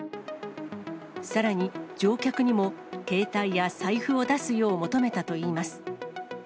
さらに、乗客にも携帯や財布を出すよう求めたといいます。